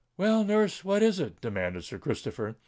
"Well, nurse—what is it?" demanded Sir Christopher.